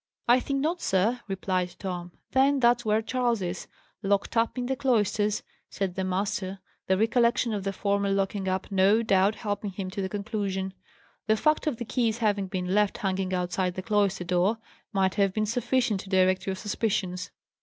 "I think not, sir," replied Tom. "Then, that's where Charles is, locked up in the cloisters!" said the master, the recollection of the former locking up no doubt helping him to the conclusion. "The fact of the keys having been left hanging outside the cloister door might have been sufficient to direct your suspicions."